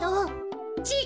ちぃ